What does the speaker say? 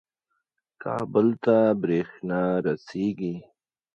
کابل ته برېښنا رسیږي.